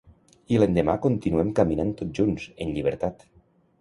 I l’endemà continuem caminant tots junts, en llibertat.